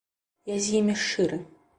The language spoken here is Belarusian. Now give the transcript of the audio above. Я з імі шчыры.